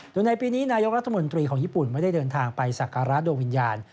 โดยในปีนี้นายกรัฐมนตรีของญี่ปุ่นไม่ได้เดินทางไปสักการะโดยวิญญาณ